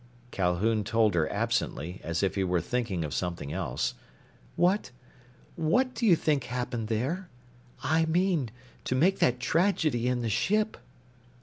Calhoun told her absently, as if he were thinking of something else. "What what do you think happened there? I mean, to make that tragedy in the ship."